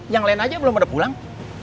yang lain aja belum ada pulang